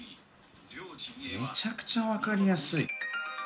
めちゃくちゃ分かりやすい。